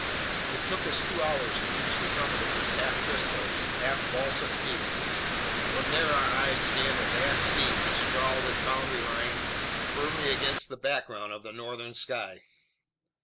It took us two hours to reach the summit of this half crystal, half basalt peak. From there our eyes scanned a vast sea, which scrawled its boundary line firmly against the background of the northern sky.